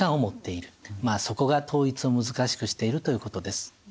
まあそこが統一を難しくしているということです。